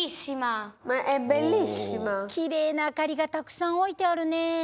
きれいな明かりがたくさん置いてあるね。